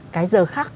cái giờ khắc